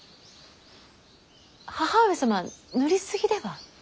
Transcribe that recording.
義母上様塗り過ぎでは。